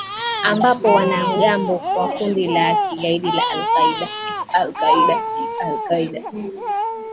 ambapo wanamgambo wa kundi la kigaidi la al qaeda